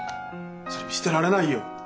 それ見捨てられないよ。